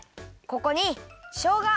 ここにしょうが。